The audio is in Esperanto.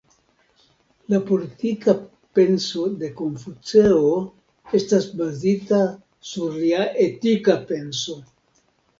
La politika penso de Konfuceo estas bazita sur lia etika penso.